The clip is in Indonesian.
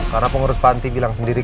karena pengurus panti bilang sendiri